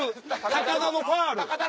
高田のファウル。